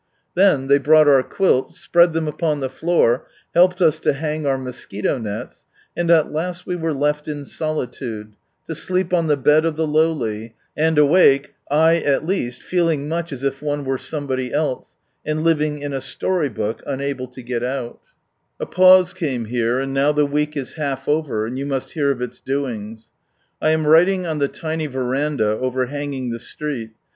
Then they brought our quilts, spread them upon the floor, helped us to hang our mosquito nets, and at last we were left in solitude, to sleep on the bed of the lowly, and awake, I at least, feeling much as if one were somebody else, and living in a story book, unable to get out. Mission Tour No. i 25 A pause came here, and now the week is half over, and you must hear of its doings. I am writing on the tiny verandah overhanging tlie street.